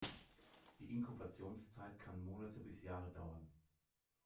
Die Inkubationszeit kann Monate bis Jahre dauern.